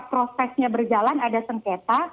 prosesnya berjalan ada sengketa